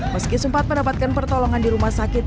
meski sempat mendapatkan pertolongan di rumah sakit